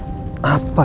tidak ada apa apa